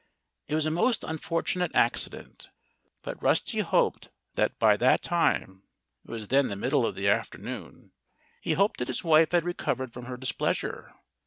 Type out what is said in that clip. It was a most unfortunate accident. But Rusty hoped that by that time it was then the middle of the afternoon he hoped that his wife had recovered from her displeasure.